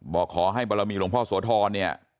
บอกขอให้บรมีร์หลงพ่อสวทรเนี่ย